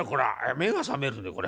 目が覚めるねこれ。